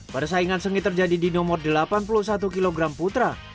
persaingan sengit terjadi di nomor delapan puluh satu kg putra